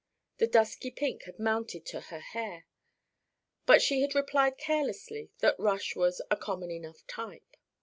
The dusky pink had mounted to her hair, but she had replied carelessly that Rush was "a common enough type."